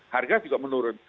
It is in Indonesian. harga juga menurun